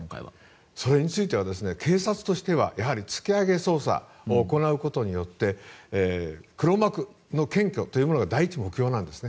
それについては警察は突き上げ捜査を行うことによって黒幕の検挙というのが第一の目標なんですね。